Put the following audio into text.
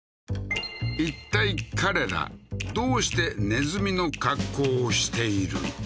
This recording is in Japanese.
いったい彼らどうしてネズミの格好をしている？